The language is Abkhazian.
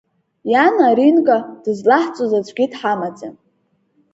Иан Аринка дызлаҳҵоз аӡәгьы дҳамаӡам.